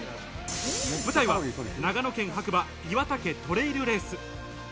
舞台は長野県白馬岩岳トレイルレース。